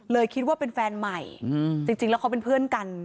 คิดว่าเป็นแฟนใหม่จริงแล้วเขาเป็นเพื่อนกัน